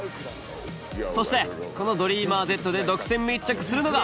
そしてこの「ＤｒｅａｍｅｒＺ」で独占密着するのが。